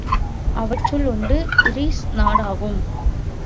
அவற்றுள் ஒன்று கிரீஸ் நாடாகும்.